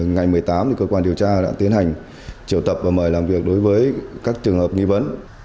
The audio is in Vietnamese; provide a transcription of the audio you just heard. ngày một mươi tám cơ quan điều tra đã tiến hành triệu tập và mời làm việc đối với các trường hợp nghi vấn